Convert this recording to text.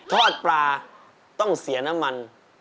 ทอดปลาต้องเสียน้ำมัน